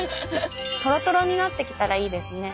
とろとろになってきたらいいですね。